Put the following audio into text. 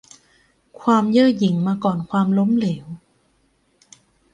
ความเย่อหยิ่งมาก่อนความล้มเหลว